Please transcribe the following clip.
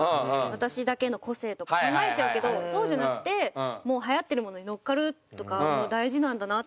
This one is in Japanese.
私だけの個性とか考えちゃうけどそうじゃなくてはやってるものに乗っかるとかも大事なんだなと思ったりとか。